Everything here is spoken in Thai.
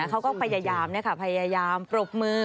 เขาก็พยายามนี่ค่ะพยายามปรบมือ